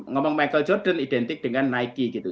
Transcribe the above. ngomong michael jordan identik dengan nike gitu